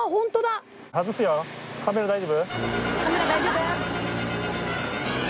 カメラ大丈夫？